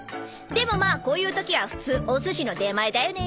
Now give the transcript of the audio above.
でもまあこういう時は普通おすしの出前だよね。